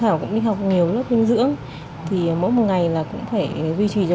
rút ra được nhiều kinh nghiệm từ lần nuôi con